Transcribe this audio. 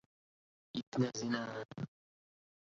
إبن زنا!